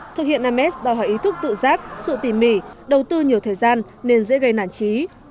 thực hiện năm s đòi hỏi ý thức tự giác sự tỉ mỉ đầu tư nhiều thời gian nên dễ gây nản trí